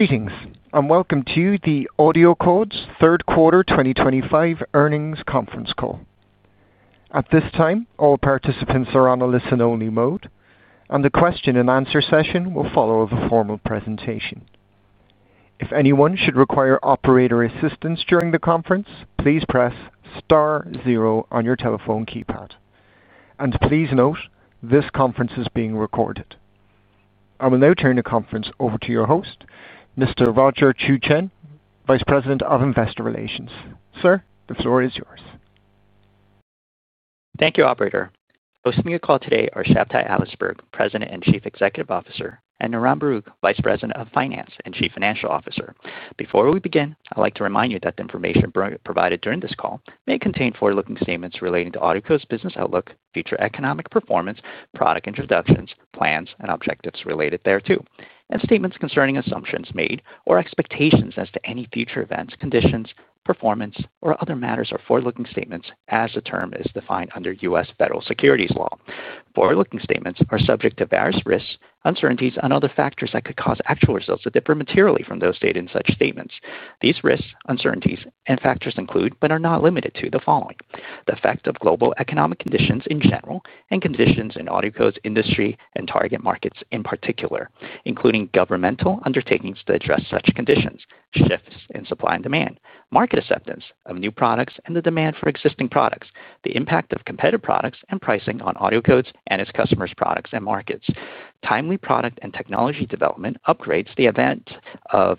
Greetings, and welcome to the AudioCodes third quarter 2025 earnings conference call. At this time, all participants are on a listen-only mode, and the question-and-answer session will follow the formal presentation. If anyone should require operator assistance during the conference, please press star zero on your telephone keypad. Please note, this conference is being recorded. I will now turn the conference over to your host, Mr. Roger Chuchen, Vice President of Investor Relations. Sir, the floor is yours. Thank you, Operator. Hosting your call today are Shabtai Adlersberg, President and Chief Executive Officer, and Niran Baruch, Vice President of Finance and Chief Financial Officer. Before we begin, I'd like to remind you that the information provided during this call may contain forward-looking statements relating to AudioCodes' business outlook, future economic performance, product introductions, plans, and objectives related thereto, and statements concerning assumptions made or expectations as to any future events, conditions, performance, or other matters or forward-looking statements as the term is defined under U.S. federal securities law. Forward-looking statements are subject to various risks, uncertainties, and other factors that could cause actual results to differ materially from those stated in such statements. These risks, uncertainties, and factors include, but are not limited to, the following: the effect of global economic conditions in general and conditions in AudioCodes' industry and target markets in particular, including governmental undertakings to address such conditions, shifts in supply and demand, market acceptance of new products and the demand for existing products, the impact of competitive products and pricing on AudioCodes and its customers' products and markets, timely product and technology development, upgrades the advance of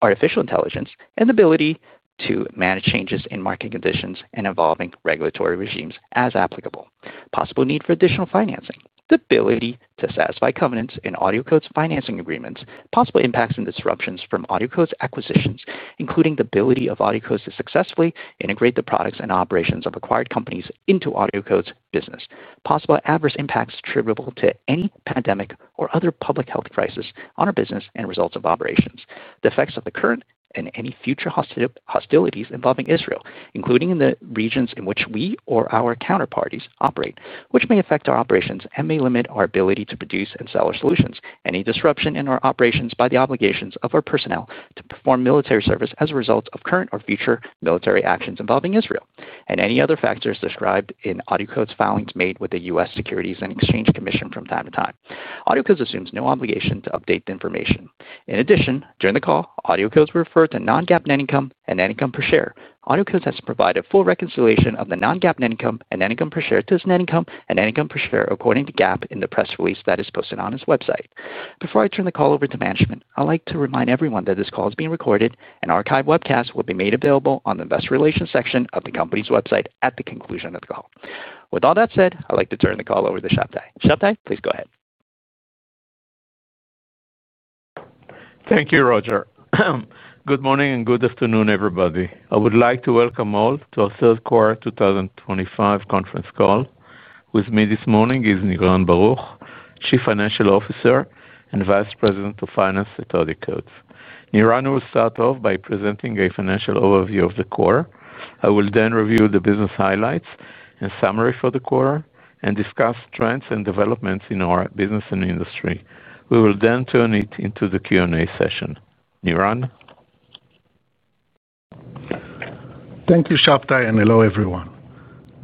artificial intelligence, and ability to manage changes in market conditions and evolving regulatory regimes as applicable, possible need for additional financing, the ability to satisfy covenants in AudioCodes' financing agreements, possible impacts and disruptions from AudioCodes' acquisitions, including the ability of AudioCodes to successfully integrate the products and operations of acquired companies into AudioCodes' business, possible adverse impacts attributable to any pandemic or other public health crisis on our business and results of operations, the effects of the current and any future hostilities involving Israel, including in the regions in which we or our counterparties operate, which may affect our operations and may limit our ability to produce and sell our solutions, any disruption in our operations by the obligations of our personnel to perform military service as a result of current or future military actions involving Israel, and any other factors described in AudioCodes' filings made with the U.S. Securities and Exchange Commission from time to time. AudioCodes assumes no obligation to update the information. In addition, during the call, AudioCodes will refer to non-GAAP net income and net income per share. AudioCodes has provided full reconciliation of the non-GAAP net income and net income per share to its net income and net income per share according to GAAP in the press release that is posted on its website. Before I turn the call over to management, I'd like to remind everyone that this call is being recorded and archived webcasts will be made available on the investor relations section of the company's website at the conclusion of the call. With all that said, I'd like to turn the call over to Shabtai. Shabtai, please go ahead. Thank you, Roger. Good morning and good afternoon, everybody. I would like to welcome all to our third quarter 2025 conference call. With me this morning is Niran Baruch, Chief Financial Officer and Vice President of Finance at AudioCodes. Niran will start off by presenting a financial overview of the quarter. I will then review the business highlights and summary for the quarter and discuss trends and developments in our business and industry. We will then turn it into the Q&A session. Niran? Thank you, Shabtai, and hello, everyone.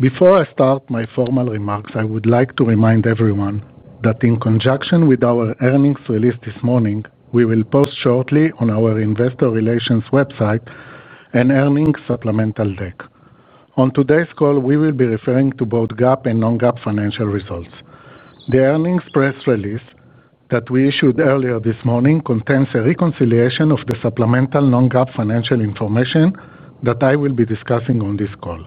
Before I start my formal remarks, I would like to remind everyone that in conjunction with our earnings release this morning, we will post shortly on our investor relations website an earnings supplemental deck. On today's call, we will be referring to both GAAP and non-GAAP financial results. The earnings press release that we issued earlier this morning contains a reconciliation of the supplemental non-GAAP financial information that I will be discussing on this call.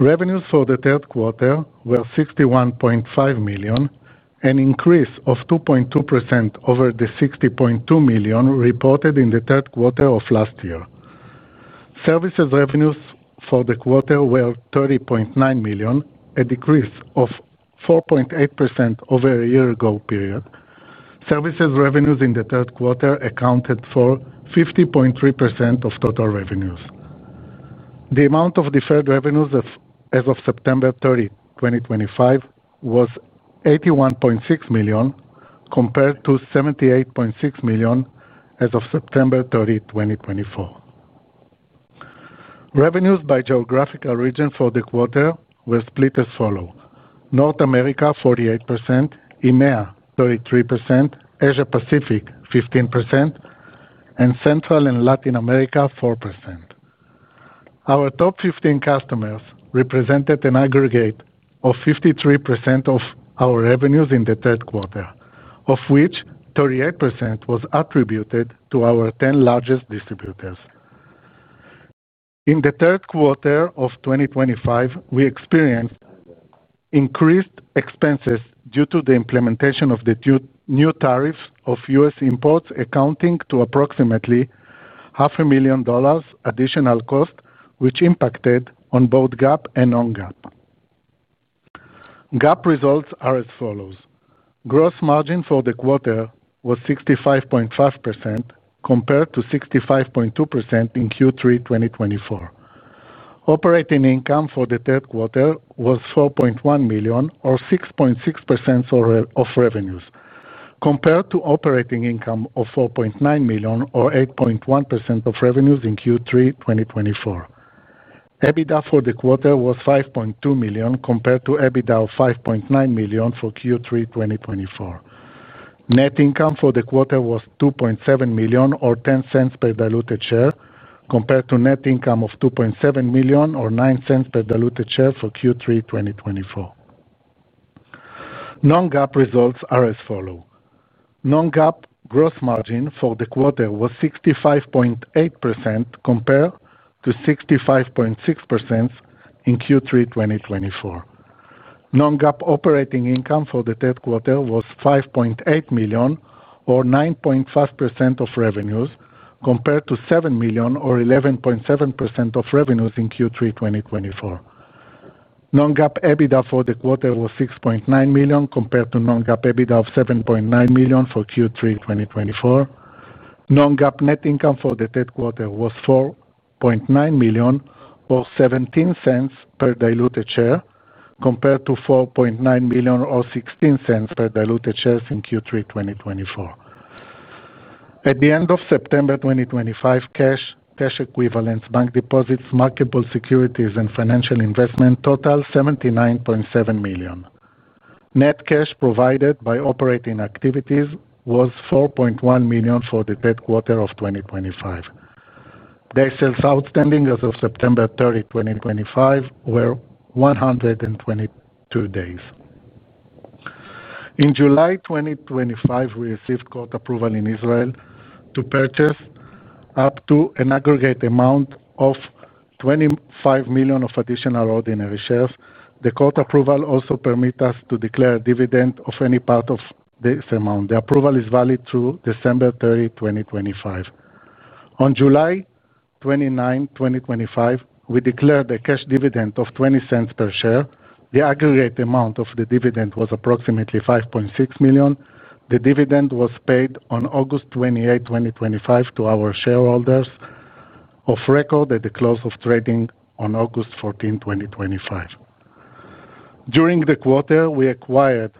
Revenues for the third quarter were $61.5 million, an increase of 2.2% over the $60.2 million reported in the third quarter of last year. Services revenues for the quarter were $30.9 million, a decrease of 4.8% over a year ago. Services revenues in the third quarter accounted for 50.3% of total revenues. The amount of deferred revenues as of September 30, 2025, was $81.6 million, compared to $78.6 million as of September 30, 2024. Revenues by geographical region for the quarter were split as follows: North America 48%, EMEA 33%, Asia-Pacific 15%, and Central and Latin America 4%. Our top 15 customers represented an aggregate of 53% of our revenues in the Q3, of which 38% was attributed to our 10 largest distributors. In the Q3 of 2025, we experienced increased expenses due to the implementation of the new tariffs of U.S. imports, accounting for approximately $500,000 additional cost, which impacted both GAAP and non-GAAP. GAAP results are as follows: Gross margin for the quarter was 65.5%, compared to 65.2% in Q3 2024. Operating income for the Q3 was $4.1 million, or 6.6% of revenues, compared to operating income of $4.9 million, or 8.1% of revenues in Q3 2024. EBITDA for the quarter was $5.2 million, compared to EBITDA of $5.9 million for Q3 2024. Net income for the quarter was $2.7 million, or $0.10 per diluted share, compared to net income of $2.7 million, or $0.09 per diluted share for Q3 2024. Non-GAAP results are as follows. Non-GAAP gross margin for the quarter was 65.8%, compared to 65.6% in Q3 2024. Non-GAAP operating income for the Q3 was $5.8 million, or 9.5% of revenues, compared to $7 million, or 11.7% of revenues in Q3 2024. Non-GAAP EBITDA for the quarter was $6.9 million, compared to non-GAAP EBITDA of $7.9 million for Q3 2024. Non-GAAP net income for the Q3 was $4.9 million, or $0.17 per diluted share, compared to $4.9 million, or $0.16 per diluted share in Q3 2024. At the end of September 2025, cash, cash equivalents, bank deposits, marketable securities, and financial investment totaled $79.7 million. Net cash provided by operating activities was $4.1 million for the third quarter of 2025. Days outstanding as of September 30, 2025, were 122 days. In July 2025, we received court approval in Israel to purchase up to an aggregate amount of $25 million of additional ordinary shares. The court approval also permits us to declare a dividend of any part of this amount. The approval is valid through December 30, 2025. On July 29, 2025, we declared a cash dividend of $0.20 per share. The aggregate amount of the dividend was approximately $5.6 million. The dividend was paid on August 28, 2025, to our shareholders of record at the close of trading on August 14, 2025. During the quarter, we acquired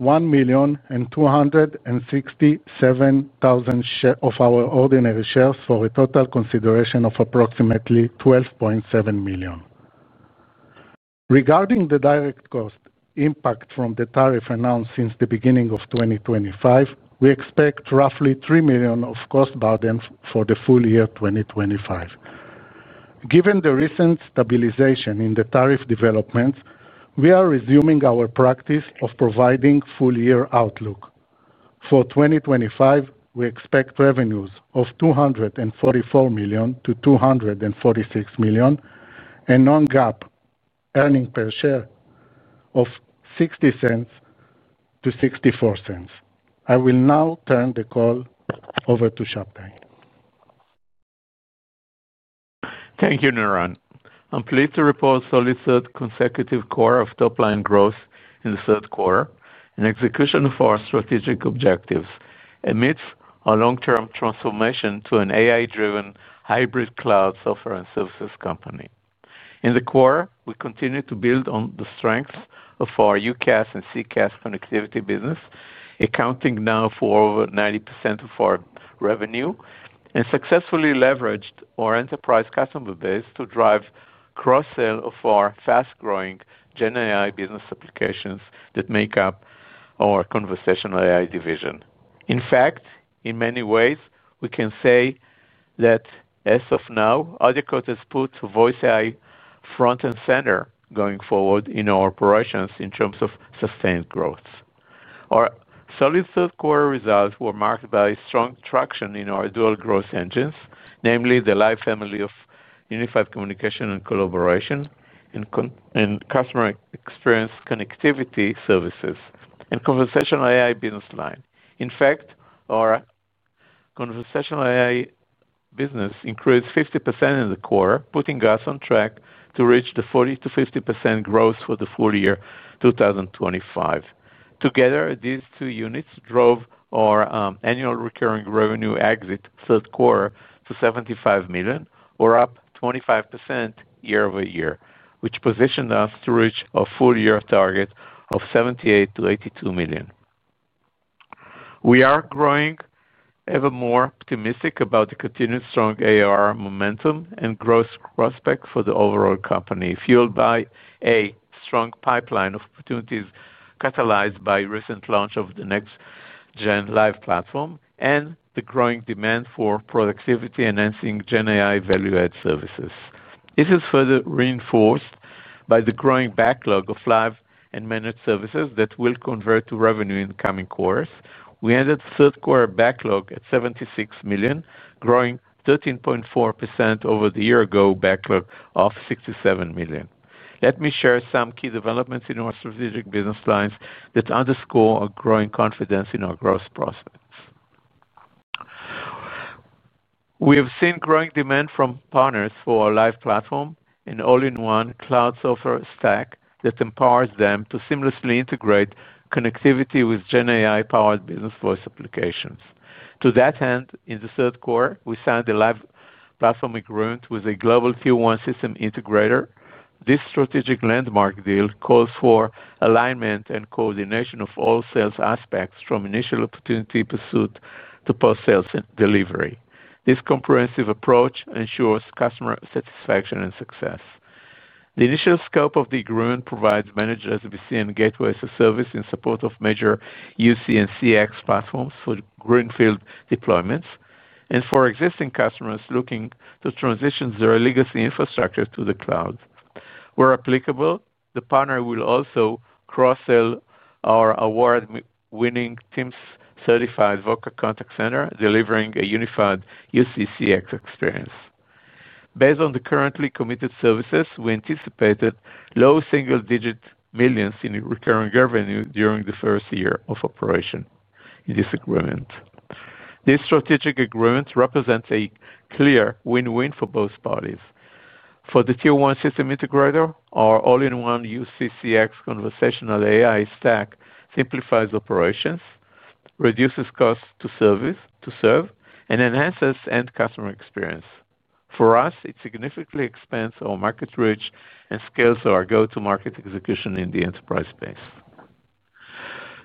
1,267,000 shares of our ordinary shares for a total consideration of approximately $12.7 million. Regarding the direct cost impact from the tariff announced since the beginning of 2025, we expect roughly $3 million of cost burden for the full year 2025. Given the recent stabilization in the tariff developments, we are resuming our practice of providing full-year outlook. For 2025, we expect revenues of $244 million-$246 million, and non-GAAP earnings per share of $0.60-$0.64. I will now turn the call over to Shabtai. Thank you, Niran. I'm pleased to report solid third consecutive quarter of top-line growth in the third quarter and execution of our strategic objectives amidst our long-term transformation to an AI-driven hybrid cloud software and services company. In the quarter, we continued to build on the strengths of our UCaaS and CCaaS connectivity business, accounting now for over 90% of our revenue, and successfully leveraged our enterprise customer base to drive cross-sale of our fast-growing GenAI business applications that make up our conversational AI division. In fact, in many ways, we can say that as of now, AudioCodes has put Voice AI front and center going forward in our operations in terms of sustained growth. Our solid third quarter results were marked by strong traction in our dual growth engines, namely the Live family of Unified Communications and Collaboration and customer experience connectivity services and conversational AI business line. In fact, our conversational AI business increased 50% in the quarter, putting us on track to reach the 40%-50% growth for the full year 2025. Together, these two units drove our annual recurring revenue exit third quarter to $75 million, or up 25% year-over-year, which positioned us to reach a full-year target of $78 million-$82 million. We are growing ever more optimistic about the continued strong ARR momentum and growth prospects for the overall company, fueled by a strong pipeline of opportunities catalyzed by the recent launch of the NextGen Live Platform and the growing demand for productivity enhancing GenAI value-add services. This is further reinforced by the growing backlog of Live and managed services that will convert to revenue in the coming quarters. We ended the third quarter backlog at $76 million, growing 13.4% over the year-ago backlog of $67 million. Let me share some key developments in our strategic business lines that underscore our growing confidence in our growth prospects. We have seen growing demand from partners for our Live Platform and all-in-one cloud software stack that empowers them to seamlessly integrate connectivity with Gen AI-powered business voice applications. To that end, in the third quarter, we signed a Live Platform agreement with a global Tier 1 system integrator. This strategic landmark deal calls for alignment and coordination of all sales aspects, from initial opportunity pursuit to post-sales delivery. This comprehensive approach ensures customer satisfaction and success. The initial scope of the agreement provides managed SBC and gateway as a service in support of major UC and CX platforms for greenfield deployments and for existing customers looking to transition their legacy infrastructure to the cloud. Where applicable, the partner will also cross-sell our award-winning Teams-certified Voca contact center, delivering a unified UC/CX experience. Based on the currently committed services, we anticipated low single-digit millions in recurring revenue during the first year of operation in this agreement. This strategic agreement represents a clear win-win for both parties. For the Q1 system integrator, our all-in-one UC/CX conversational AI stack simplifies operations, reduces cost to service, and enhances end customer experience. For us, it significantly expands our market reach and scales our go-to-market execution in the enterprise space.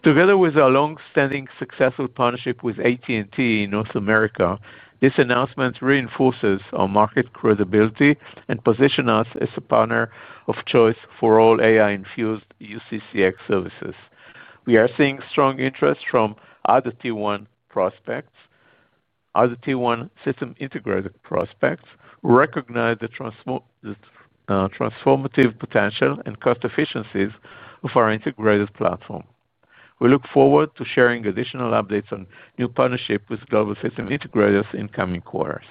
Together with our longstanding successful partnership with AT&T in North America, this announcement reinforces our market credibility and positions us as a partner of choice for all AI-infused UC/CX services. We are seeing strong interest from other Q1 prospects, other Q1 system integrator prospects, who recognize the transformative potential and cost efficiencies of our integrated platform. We look forward to sharing additional updates on new partnerships with global system integrators in coming quarters.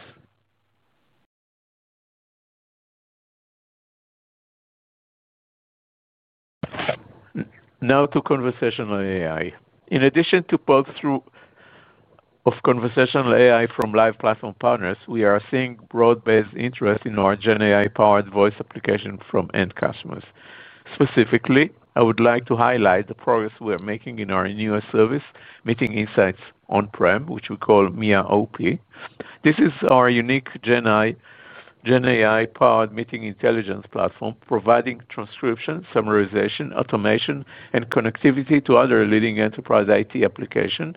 Now to conversational AI. In addition to of conversational AI from Live Platform partners, we are seeing broad-based interest in our Gen AI-powered voice application from end customers. Specifically, I would like to highlight the progress we are making in our newest service, Meeting Insights On-Prem, which we call MIA OP. This is our unique Gen AI-powered meeting intelligence platform, providing transcription, summarization, automation, and connectivity to other leading enterprise IT applications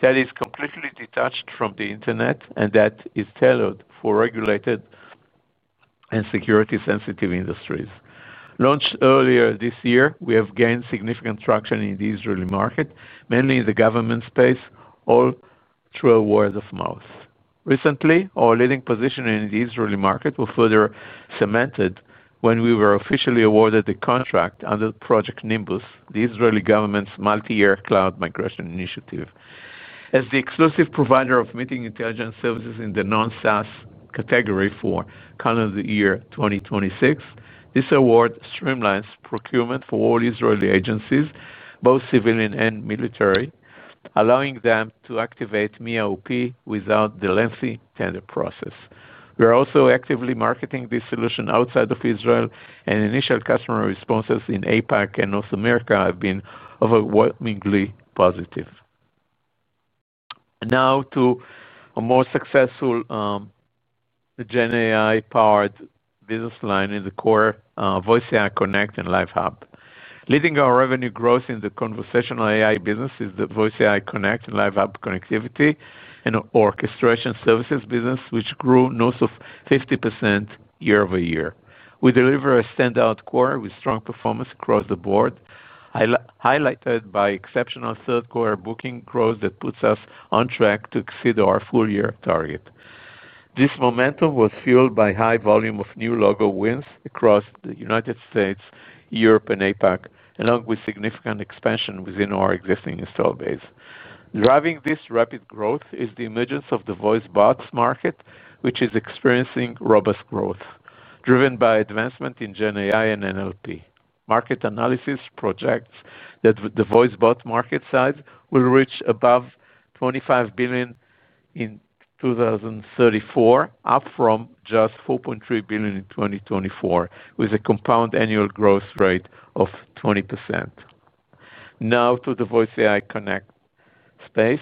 that is completely detached from the internet and that is tailored for regulated and security-sensitive industries. Launched earlier this year, we have gained significant traction in the Israeli market, mainly in the government space, all through word of mouth. Recently, our leading position in the Israeli market was further cemented when we were officially awarded a contract under Project Nimbus, the Israeli government's multi-year cloud migration initiative. As the exclusive provider of meeting intelligence services in the non-SaaS category for calendar year 2026, this award streamlines procurement for all Israeli agencies, both civilian and military, allowing them to activate MIA OP without the lengthy tender process. We are also actively marketing this solution outside of Israel, and initial customer responses in Asia-Pacific and North America have been overwhelmingly positive. Now to a more successful Gen AI-powered business line in the quarter, Voice AI Connect and Live Hub. Leading our revenue growth in the conversational AI business is the Voice AI Connect and Live Hub connectivity and orchestration services business, which grew north of 50% year-over-year. We deliver a standout quarter with strong performance across the board, highlighted by exceptional third quarter booking growth that puts us on track to exceed our full-year target. This momentum was fueled by a high volume of new logo wins across the United States, Europe, and Asia-Pacific, along with significant expansion within our existing install base. Driving this rapid growth is the emergence of the voice bots market, which is experiencing robust growth, driven by advancement in Gen AI and NLP. Market analysis projects that the voice bot market size will reach above $25 billion in 2034, up from just $4.3 billion in 2024, with a compound annual growth rate of 20%. Now to the Voice AI Connect space.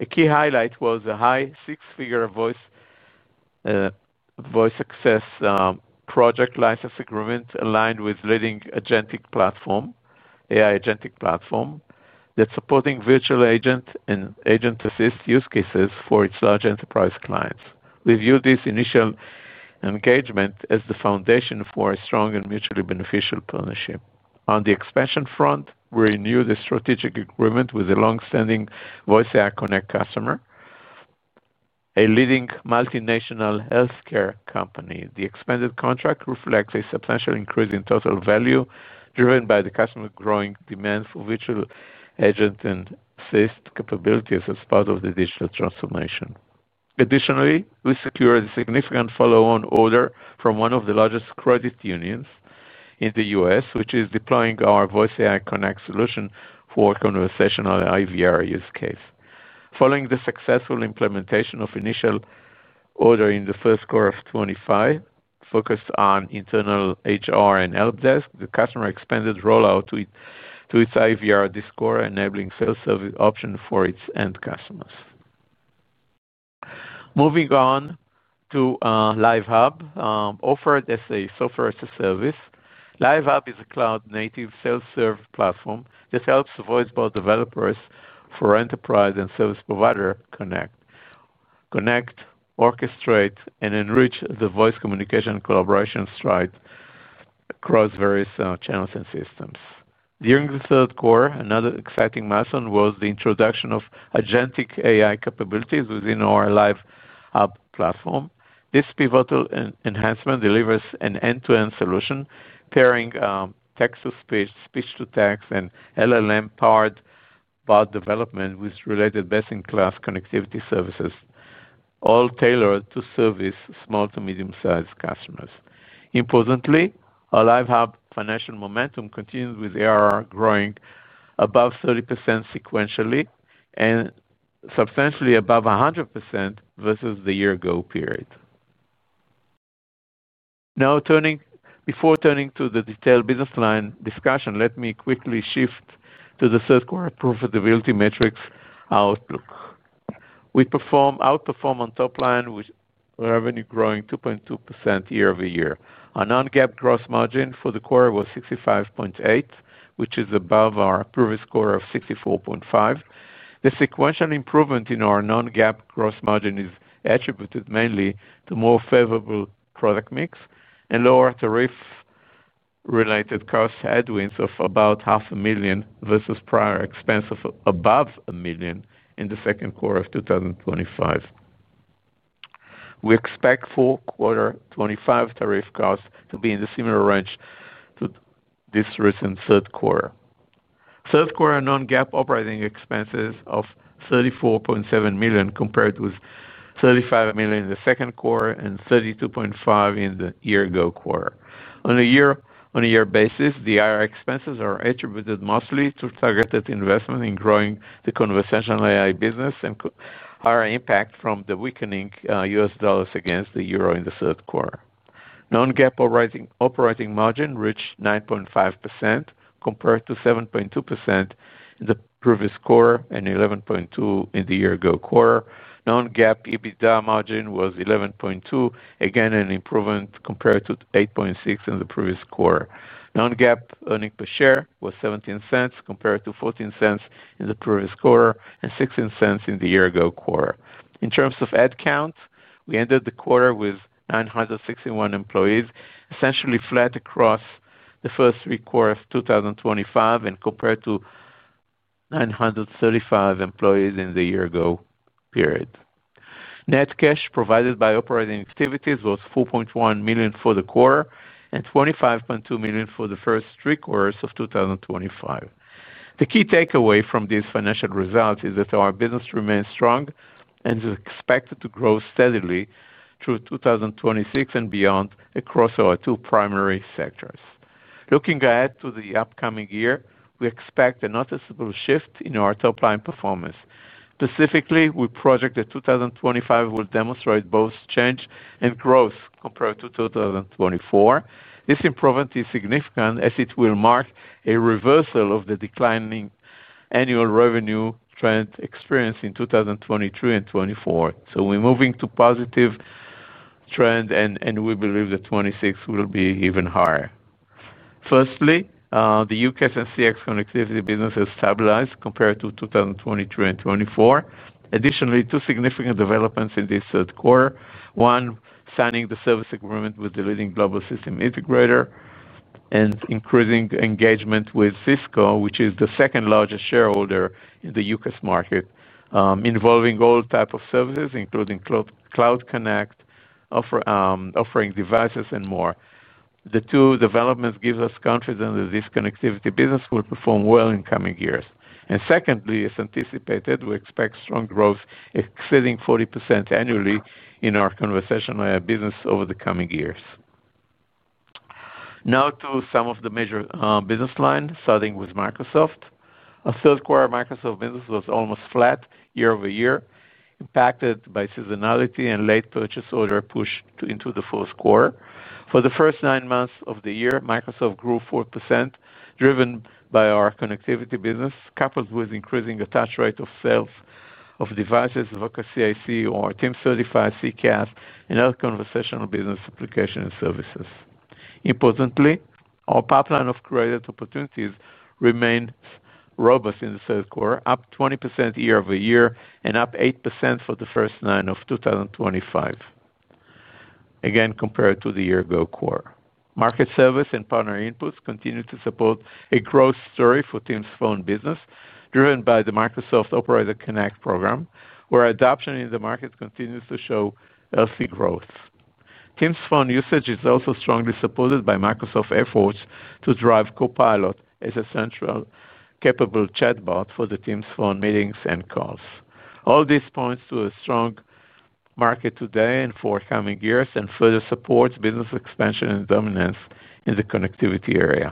A key highlight was a high six-figure voice success project license agreement aligned with leading AI agentic platform. That's supporting virtual agent and agent-assist use cases for its large enterprise clients. We view this initial engagement as the foundation for a strong and mutually beneficial partnership. On the expansion front, we renewed the strategic agreement with a longstanding Voice AI Connect customer, a leading multinational healthcare company. The expanded contract reflects a substantial increase in total value driven by the customer growing demand for virtual agent-assist capabilities as part of the digital transformation. Additionally, we secured a significant follow-on order from one of the largest credit unions in the U.S., which is deploying our Voice AI Connect solution for conversational IVR use case. Following the successful implementation of the initial order in the first quarter of 2025, focused on internal HR and help desk, the customer expanded rollout to its IVR Discord, enabling sales service options for its end customers. Moving on to Live Hub, offered as a software as a service, Live Hub is a cloud-native self-serve platform that helps voice bot developers for enterprise and service provider connect. Orchestrate and enrich the voice communication collaboration stride. Across various channels and systems. During the third quarter, another exciting milestone was the introduction of agentic AI capabilities within our Live Hub platform. This pivotal enhancement delivers an end-to-end solution, pairing text-to-speech, speech-to-text, and LLM-powered bot development with related best-in-class connectivity services, all tailored to service small to medium-sized customers. Importantly, our Live Hub financial momentum continues with ARR growing above 30% sequentially and substantially above 100% versus the year-ago period. Now, before turning to the detailed business line discussion, let me quickly shift to the third quarter profitability metrics outlook. We performed outperform on top line, with revenue growing 2.2% year-over-year. Our non-GAAP gross margin for the quarter was 65.8, which is above our previous quarter of 64.5. The sequential improvement in our non-GAAP gross margin is attributed mainly to a more favorable product mix and lower tariff. Related cost headwinds of about $500,000 versus prior expense of above $1 million in the second quarter of 2025. We expect full quarter 2025 tariff costs to be in the similar range to this recent third quarter. Third quarter non-GAAP operating expenses of $34.7 million compared with $35 million in the second quarter and $32.5 in the year-ago quarter. On a year-basis, the IR expenses are attributed mostly to targeted investment in growing the conversational AI business and higher impact from the weakening U.S. dollars against the euro in the third quarter. Non-GAAP operating margin reached 9.5% compared to 7.2% in the previous quarter and 11.2% in the year-ago quarter. Non-GAAP EBITDA margin was 11.2%, again an improvement compared to 8.6% in the previous quarter. Non-GAAP earnings per share was $0.17 compared to $0.14 in the previous quarter and $0.16 in the year-ago quarter. In terms of headcount, we ended the quarter with 961 employees, essentially flat across the first three quarters of 2025 and compared to. 935 employees in the year-ago period. Net cash provided by operating activities was $4.1 million for the quarter and $25.2 million for the first three quarters of 2025. The key takeaway from these financial results is that our business remains strong and is expected to grow steadily through 2026 and beyond across our two primary sectors. Looking ahead to the upcoming year, we expect a noticeable shift in our top-line performance. Specifically, we project that 2025 will demonstrate both change and growth compared to 2024. This improvement is significant as it will mark a reversal of the declining annual revenue trend experienced in 2023 and 2024. We are moving to a positive trend, and we believe that 2026 will be even higher. Firstly, the UCaaS and CX connectivity business has stabilized compared to 2023 and 2024. Additionally, two significant developments in this third quarter: one, signing the service agreement with the leading global system integrator, and increasing engagement with Cisco, which is the second-largest shareholder in the UCaaS market, involving all types of services, including Cloud Connect, offering devices, and more. The two developments give us confidence that this connectivity business will perform well in coming years. Secondly, as anticipated, we expect strong growth exceeding 40% annually in our Conversational AI business over the coming years. Now to some of the major business lines, starting with Microsoft. Our third quarter Microsoft business was almost flat year-over-year, impacted by seasonality and late purchase order push into the fourth quarter. For the first nine months of the year, Microsoft grew 4%, driven by our connectivity business, coupled with increasing attach rate of sales of devices, Voca CIC, or Teams-certified CCaaS, and other conversational business application services. Importantly, our pipeline of creative opportunities remains robust in the third quarter, up 20% year-over-year and up 8% for the first nine months of 2025, again compared to the year-ago quarter. Market service and partner inputs continue to support a growth story for Teams Phone business, driven by the Microsoft Operator Connect program, where adoption in the market continues to show healthy growth. Teams Phone usage is also strongly supported by Microsoft efforts to drive Copilot as a central capable chatbot for the Teams Phone meetings and calls. All this points to a strong market today and for coming years and further supports business expansion and dominance in the connectivity area.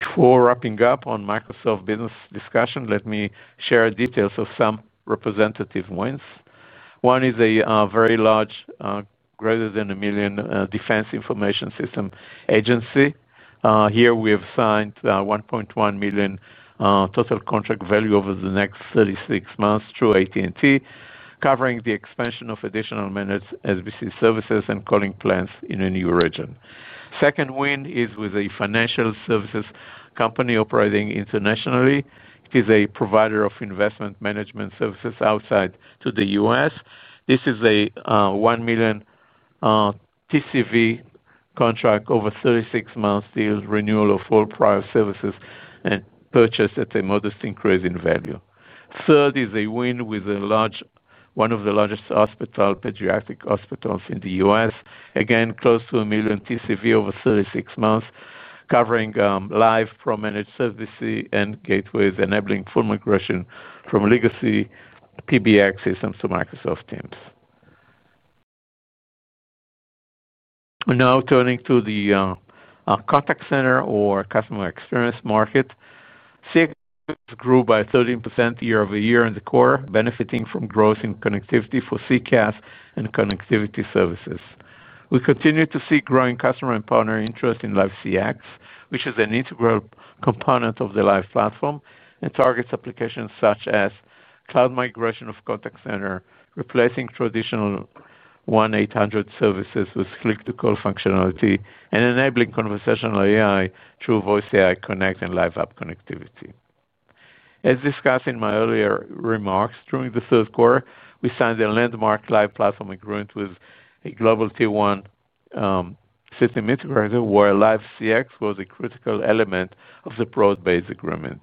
Before wrapping up on Microsoft business discussion, let me share details of some representative wins. One is a very large, greater than $1 million Defense Information Systems Agency. Here, we have signed $1.1 million total contract value over the next 36 months through AT&T, covering the expansion of additional managed SBC services and calling plans in a new region. Second win is with a financial services company operating internationally. It is a provider of investment management services outside the United States. This is a $1 million TCV contract over 36 months, deal renewal of all prior services and purchase at a modest increase in value. Third is a win with one of the largest hospitals, pediatric hospitals in the U.S., again close to a million TCV over 36 months, covering Live pro-managed services and gateways, enabling full migration from legacy PBX systems to Microsoft Teams. Now turning to the contact center or customer experience market. CX grew by 13% year-over-year in the quarter, benefiting from growth in connectivity for CCaaS and connectivity services. We continue to see growing customer and partner interest in Live CX, which is an integral component of the Live Platform and targets applications such as cloud migration of contact center, replacing traditional 1-800 services with click-to-call functionality and enabling conversational AI through Voice AI Connect and Live Hub connectivity. As discussed in my earlier remarks, during the third quarter, we signed a landmark Live Platform agreement with a global T1 system integrator where Live CX was a critical element of the pro-based agreement.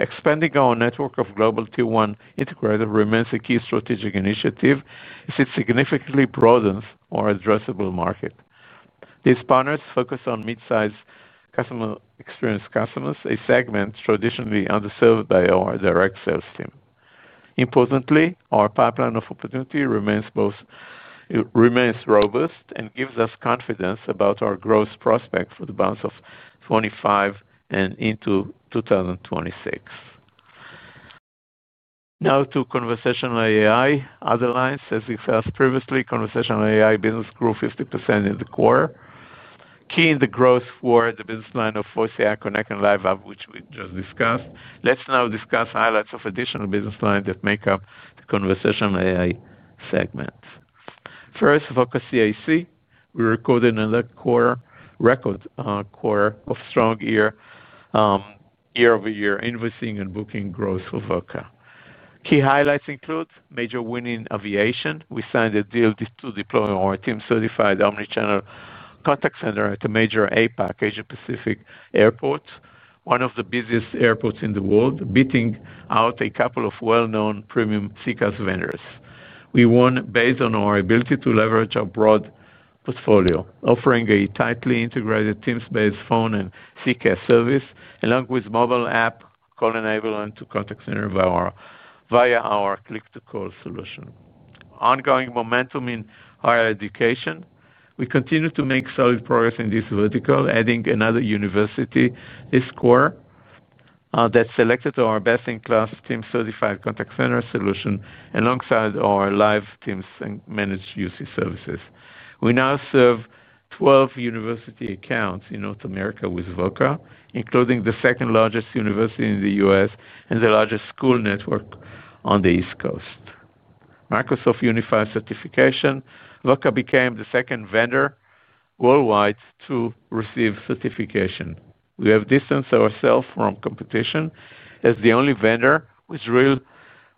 Expanding our network of global T1 integrator remains a key strategic initiative as it significantly broadens our addressable market. These partners focus on mid-size customer experience customers, a segment traditionally underserved by our direct sales team. Importantly, our pipeline of opportunity remains robust and gives us confidence about our growth prospect for the balance of 2025 and into 2026. Now to conversational AI, other lines, as discussed previously, conversational AI business grew 50% in the quarter. Key in the growth were the business line of Voice AI Connect and Live Hub, which we just discussed. Let's now discuss highlights of additional business lines that make up the conversational AI segment. First, Voca CIC. We recorded another record quarter of strong year-over-year invoicing and booking growth for Voca. Key highlights include major win in aviation. We signed a deal to deploy our Teams-certified omnichannel contact center at a major APAC Asia-Pacific airport, one of the busiest airports in the world, beating out a couple of well-known premium CCaaS vendors. We won based on our ability to leverage our broad portfolio, offering a tightly integrated Teams-based phone and CCaaS service, along with mobile app call enablement to contact center via our click-to-call solution. Ongoing momentum in higher education. We continue to make solid progress in this vertical, adding another university this quarter that selected our best-in-class Teams-certified contact center solution alongside our Live Teams-managed UC services. We now serve 12 university accounts in North America with Voca, including the second-largest university in the U.S. and the largest school network on the East Coast. Microsoft Unified Certification. Voca became the second vendor worldwide to receive certification. We have distanced ourselves from competition as the only vendor with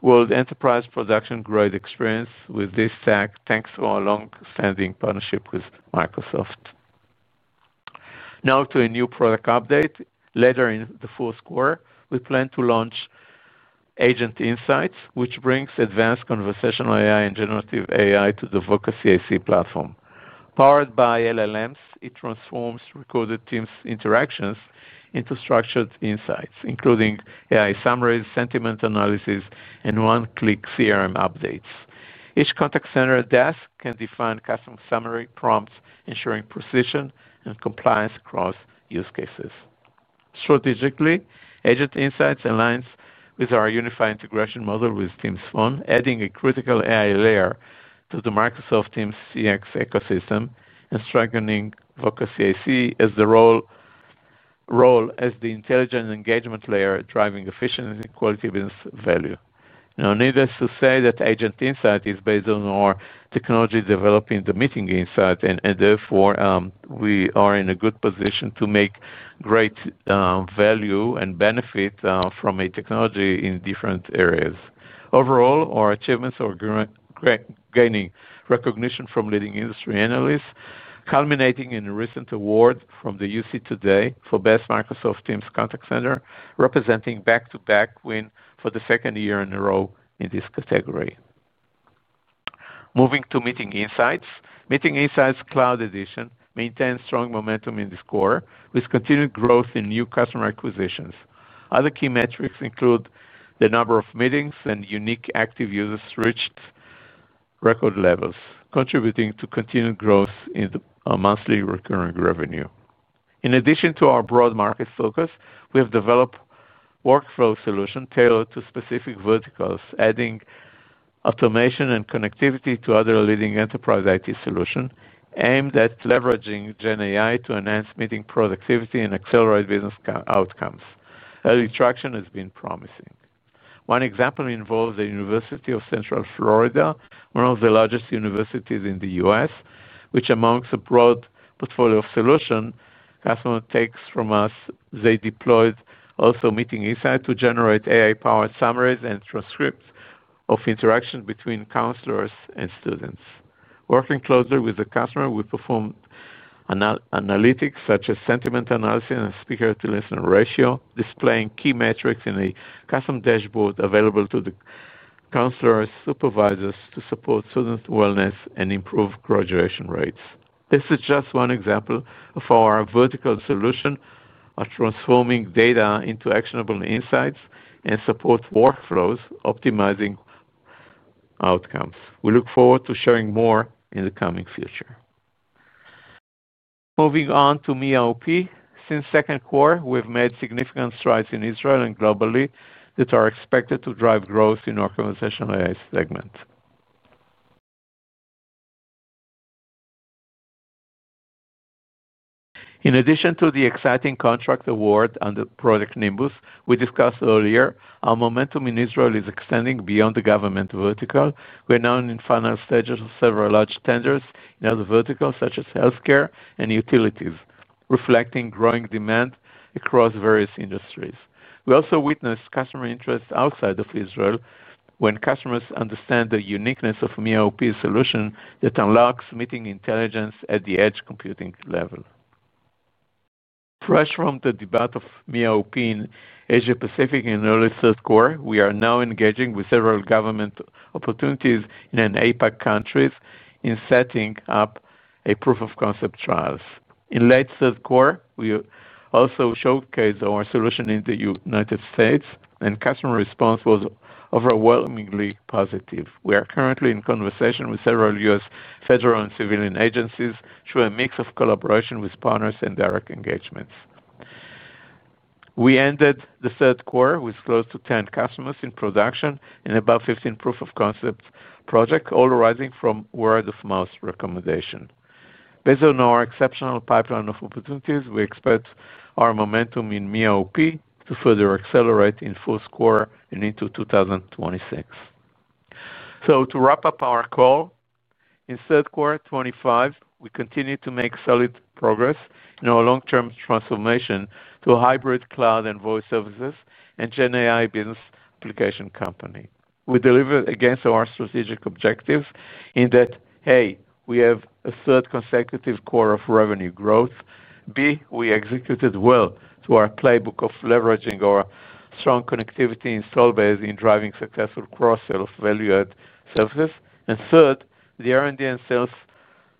real-world enterprise production-grade experience with this tech thanks to our long-standing partnership with Microsoft. Now to a new product update. Later in the fourth quarter, we plan to launch Agent Insights, which brings advanced conversational AI and generative AI to the Voca CIC platform. Powered by LLMs, it transforms recorded Teams interactions into structured insights, including AI summaries, sentiment analysis, and one-click CRM updates. Each contact center desk can define custom summary prompts, ensuring precision and compliance across use cases. Strategically, Agent Insights aligns with our unified integration model with Teams Phone, adding a critical AI layer to the Microsoft Teams CX ecosystem and strengthening Voca CIC as the role. Role as the intelligent engagement layer, driving efficiency and quality business value. Now, needless to say that Agent Insights is based on our technology developing the Meeting Insights, and therefore we are in a good position to make great value and benefit from a technology in different areas. Overall, our achievements are gaining recognition from leading industry analysts, culminating in a recent award from the UC Today for Best Microsoft Teams Contact Center, representing back-to-back win for the second year in a row in this category. Moving to Meeting Insights. Meeting Insights Cloud Edition maintains strong momentum in this quarter with continued growth in new customer acquisitions. Other key metrics include the number of meetings and unique active users reached record levels, contributing to continued growth in the monthly recurring revenue. In addition to our broad market focus, we have developed a workflow solution tailored to specific verticals, adding automation and connectivity to other leading enterprise IT solutions aimed at leveraging Gen AI to enhance meeting productivity and accelerate business outcomes. Early traction has been promising. One example involves the University of Central Florida, one of the largest universities in the U.S., which, amongst a broad portfolio of solutions, customers take from us. They deployed also Meeting Insights to generate AI-powered summaries and transcripts of interactions between counselors and students. Working closely with the customer, we performed analytics such as sentiment analysis and speaker-to-listener ratio, displaying key metrics in a custom dashboard available to the counselors and supervisors to support student wellness and improve graduation rates. This is just one example of our vertical solution, transforming data into actionable insights and support workflows, optimizing outcomes. We look forward to sharing more in the coming future. Moving on to MIA OP, since the second quarter, we've made significant strides in Israel and globally that are expected to drive growth in our conversational AI segment. In addition to the exciting contract award under Project Nimbus, we discussed earlier, our momentum in Israel is extending beyond the government vertical. We're now in final stages of several large tenders in other verticals, such as healthcare and utilities, reflecting growing demand across various industries. We also witnessed customer interest outside of Israel when customers understand the uniqueness of MIA OP's solution that unlocks meeting intelligence at the edge computing level. Fresh from the debut of MIA OP in Asia-Pacific in the early third quarter, we are now engaging with several government opportunities in APAC countries in setting up proof-of-concept trials. In late third quarter, we also showcased our solution in the United States, and customer response was overwhelmingly positive. We are currently in conversation with several U.S. federal and civilian agencies through a mix of collaboration with partners and direct engagements. We ended the third quarter with close to 10 customers in production and about 15 proof-of-concept projects, all arising from word-of-mouth recommendation. Based on our exceptional pipeline of opportunities, we expect our momentum in MIA OP to further accelerate in the fourth quarter and into 2026. To wrap up our call, in third quarter 2025, we continue to make solid progress in our long-term transformation to hybrid cloud and voice services and Gen AI business application company. We delivered against our strategic objectives in that, A, we have a third consecutive quarter of revenue growth. B, we executed well to our playbook of leveraging our strong connectivity install base in driving successful cross-sales value-add services. Third, the R&D and sales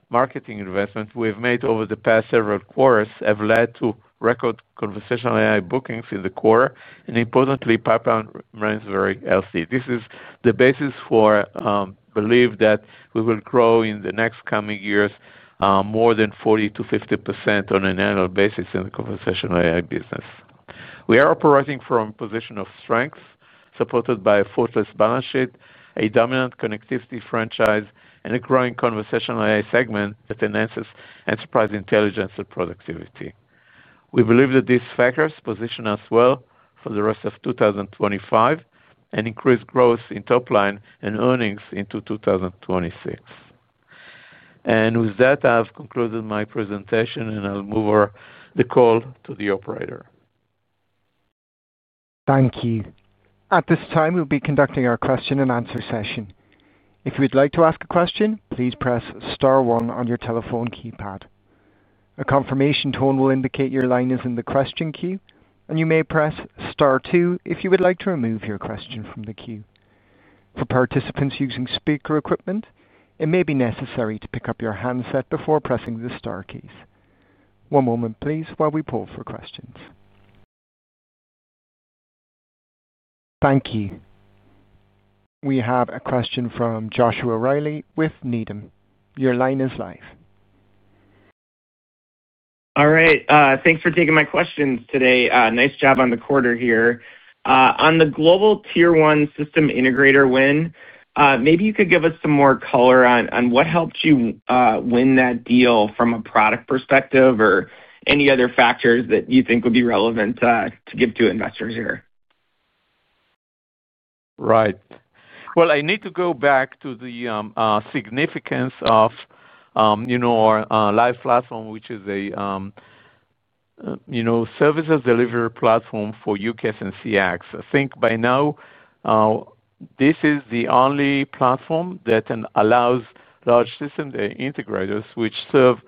marketing investment we've made over the past several quarters have led to record conversational AI bookings in the quarter, and importantly, pipeline remains very healthy. This is the basis for. Believe that we will grow in the next coming years more than 40%-50% on an annual basis in the conversational AI business. We are operating from a position of strength, supported by a fortress balance sheet, a dominant connectivity franchise, and a growing conversational AI segment that enhances enterprise intelligence and productivity. We believe that these factors position us well for the rest of 2025 and increase growth in top line and earnings into 2026. With that, I've concluded my presentation, and I'll move over the call to the operator. Thank you. At this time, we'll be conducting our question-and-answer session. If you would like to ask a question, please press star one on your telephone keypad. A confirmation tone will indicate your line is in the question queue, and you may press star two if you would like to remove your question from the queue. For participants using speaker equipment, it may be necessary to pick up your handset before pressing the star keys. One moment, please, while we pull for questions. Thank you. We have a question from Joshua Reilly with Needham. Your line is live. All right. Thanks for taking my questions today. Nice job on the quarter here. On the global tier-one system integrator win, maybe you could give us some more color on what helped you win that deal from a product perspective or any other factors that you think would be relevant to give to investors here. Right. Well, I need to go back to the significance of our Live Platform, which is a services delivery platform for UCaaS and CX. I think by now this is the only platform that allows large system integrators which serve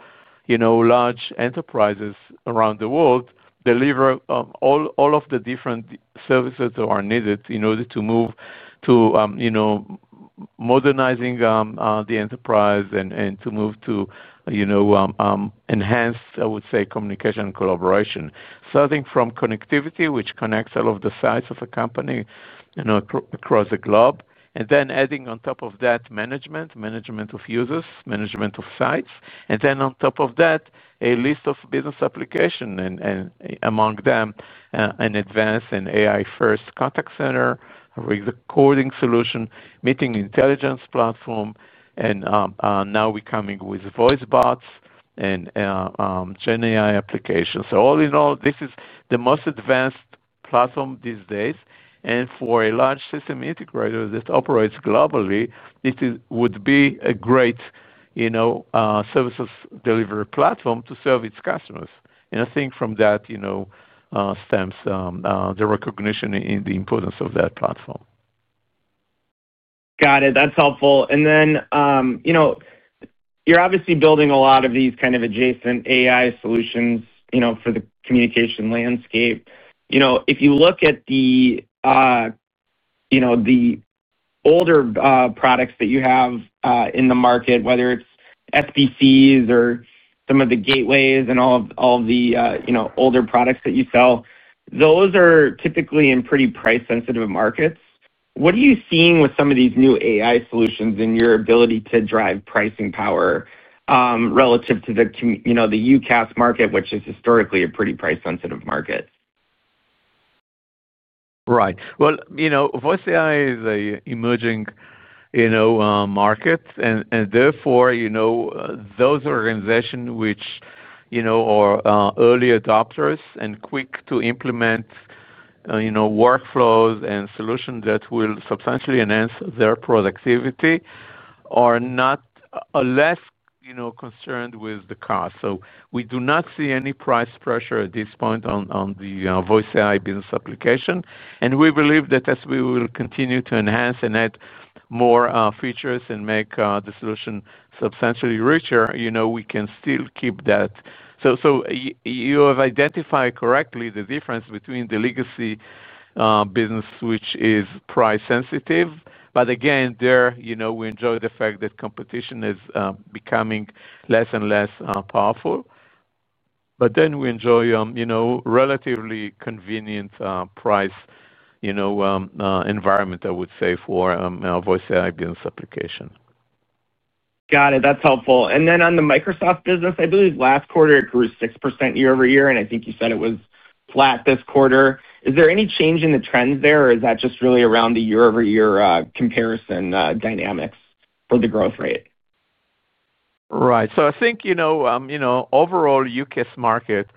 large enterprises around the world deliver all of the different services that are needed in order to move to modernizing the enterprise and to move to enhanced, I would say, communication and collaboration. Starting from connectivity, which connects all of the sites of a company across the globe, and then adding on top of that management, management of users, management of sites, and then on top of that, a list of business applications, and among them, an advanced and AI-first contact center, a recording solution, meeting intelligence platform, and now we're coming with voice bots and Gen AI applications. So all in all, this is the most advanced platform these days, and for a large system integrator that operates globally, it would be a great services delivery platform to serve its customers. I think from that stems the recognition in the importance of that platform. Got it. That's helpful. You're obviously building a lot of these kind of adjacent AI solutions for the communication landscape. If you look at the older products that you have in the market, whether it's SBCs or some of the gateways and all of the older products that you sell, those are typically in pretty price-sensitive markets. What are you seeing with some of these new AI solutions in your ability to drive pricing power relative to the UCaaS market, which is historically a pretty price-sensitive market? Right. Well, Voice AI is an emerging market, and therefore those organizations which are early adopters and quick to implement workflows and solutions that will substantially enhance their productivity are not less concerned with the cost. So we do not see any price pressure at this point on the Voice AI business application. We believe that as we will continue to enhance and add more features and make the solution substantially richer, we can still keep that. So you have identified correctly the difference between the legacy business, which is price-sensitive. Again, there, we enjoy the fact that competition is becoming less and less powerful. Then we enjoy relatively convenient price environment, I would say, for a Voice AI business application. Got it. That's helpful. On the Microsoft business, I believe last quarter it grew 6% year-over-year, and I think you said it was flat this quarter. Is there any change in the trends there, or is that just really around the year-over-year comparison dynamics for the growth rate? Right. So I think overall, the UCaaS market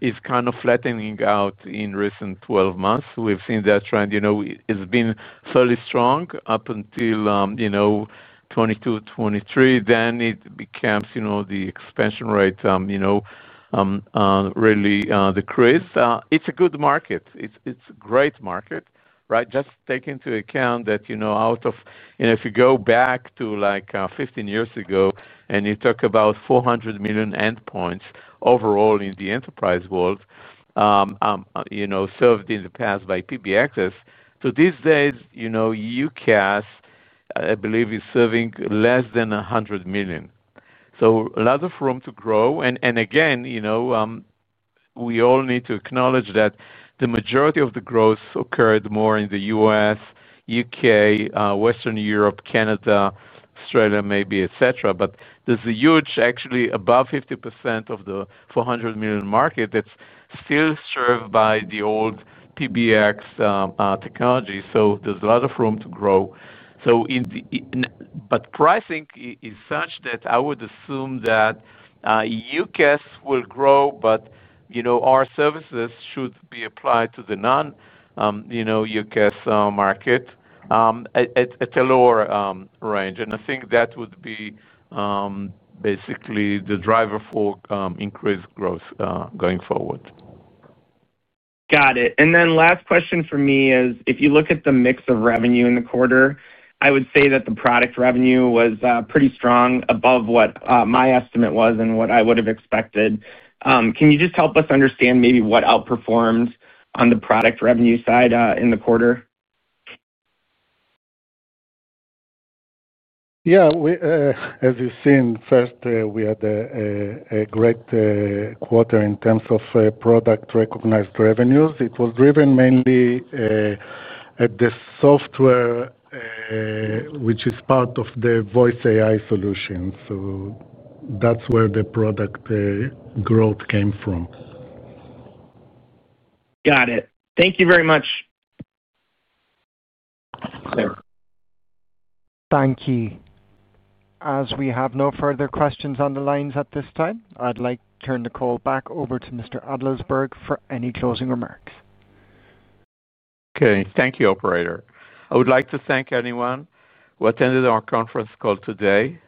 is kind of flattening out in recent 12 months. We've seen that trend. It's been fairly strong up until 2022, 2023. Then it became the expansion rate really decreased. It's a good market. It's a great market. Right? Just take into account that out of if you go back to 15 years ago and you talk about 400 million endpoints overall in the enterprise world served in the past by PBXs to these days, UCaaS, I believe, is serving less than 100 million. So a lot of room to grow. Again we all need to acknowledge that the majority of the growth occurred more in the U.S., U.K., Western Europe, Canada, Australia, maybe, etc. There's a huge, actually, above 50% of the 400 million market that's still served by the old PBX technology. So there's a lot of room to grow. So. Pricing is such that I would assume that UCaaS will grow, but our services should be applied to the non-UCaaS market at a lower range. And I think that would be basically the driver for increased growth going forward. Got it. And then last question for me is, if you look at the mix of revenue in the quarter, I would say that the product revenue was pretty strong above what my estimate was and what I would have expected. Can you just help us understand maybe what outperformed on the product revenue side in the quarter? Yeah. As you've seen, first, we had a great quarter in terms of product recognized revenues. It was driven mainly at the software which is part of the Voice AI solution. So that's where the product growth came from. Got it. Thank you very much. Thank you. As we have no further questions on the lines at this time, I'd like to turn the call back over to Mr. Adlersberg for any closing remarks. Okay. Thank you, operator. I would like to thank anyone who attended our conference call today.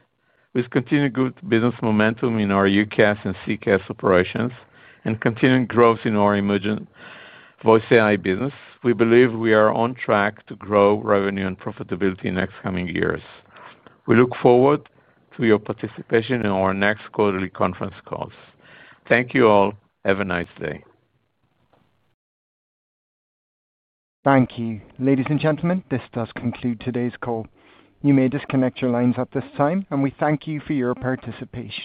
With continued good business momentum in our UCaaS and CCaaS operations and continuing growth in our emerging Voice AI business, we believe we are on track to grow revenue and profitability in the next coming years. We look forward to your participation in our next quarterly conference calls. Thank you all. Have a nice day. Thank you. Ladies and gentlemen, this does conclude today's call. You may disconnect your lines at this time, and we thank you for your participation.